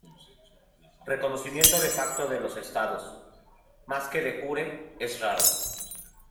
Reconocimiento de facto de los Estados, más que de jure, es raro.